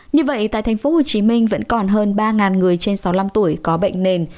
như vậy tại thành phố hồ chí minh vẫn còn hơn ba người trên sáu mươi năm tuổi có bệnh nền